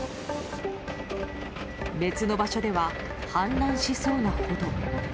別の場所では氾濫しそうなほど。